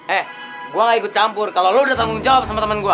eh gua gak ikut campur kalau lu udah tanggung jawab sama temen gua